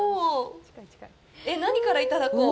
えっ、何からいただこう。